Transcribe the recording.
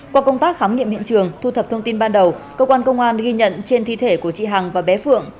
qua công tác khám nghiệm hiện trường thu thập thông tin ban đầu cơ quan công an ghi nhận trên thi thể của chị hằng và bé phượng